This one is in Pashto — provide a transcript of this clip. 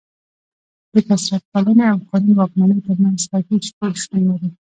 د کثرت پالنې او قانون واکمنۍ ترمنځ توپیر شتون لري.